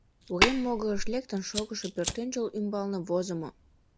Урем могырыш лектын шогышо пӧртӧнчыл ӱмбалне возымо: